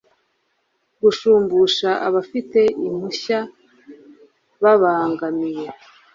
gushumbusha abafite impushya babangamiwe